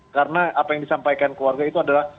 karena apa yang disampaikan keluarga itu adalah